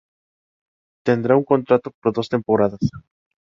Tendrá un contrato por dos temporadas.